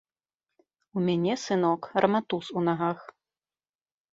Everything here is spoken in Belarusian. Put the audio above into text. У мяне, сынок, раматус у нагах.